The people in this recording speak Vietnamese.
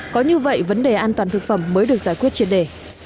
có như vậy vấn đề an toàn thực phẩm mới được giải quyết triệt đề